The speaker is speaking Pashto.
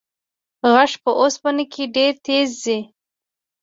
غږ په اوسپنه کې ډېر تېز ځي.